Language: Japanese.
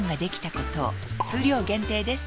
数量限定です